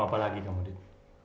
mau apa lagi kak modin